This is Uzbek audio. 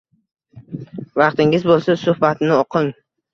Vaqtingiz bo'lsa, suhbatini o'qing